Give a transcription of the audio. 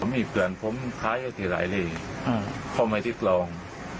มีเปลืองผมคล้ายอยู่ที่ไรเล่พร้อมให้ทิศลอง